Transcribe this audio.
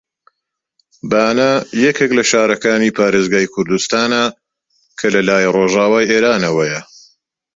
بانە یەکێک لە شارەکانی پارێزگای کوردستانە کە لە لای ڕۆژئاوای ئێرانەوەیە